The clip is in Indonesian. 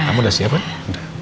kamu udah siap ya